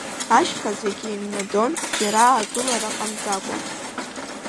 Ашьха зегьы еимнадон, џьара аагылара ҟамҵаӡакәа.